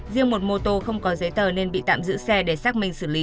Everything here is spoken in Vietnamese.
riêng một mô tô không có giấy tờ nên bị tạm giữ xe để xác minh xử lý